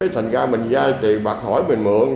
thành ra mình dai tiền bạc khỏi mình mượn